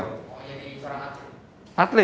oh jadi cara atlet